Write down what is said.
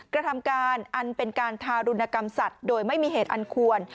กระทำการอันเป็นการทารุณกรรมสัตว์โดยไม่มีเหตุอันควร